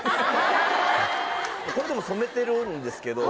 これでも染めてるんですけど。